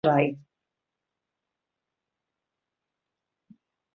Mae nifer o dduwdodau gyda pharch mawr bob amser yn cyfarch ei gyrraedd.